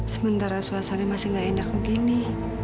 sementara suasana masih gak enak begini